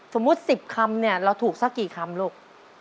สมมุติ๑๐คำเนี่ยเราถูกสักกี่คำลูก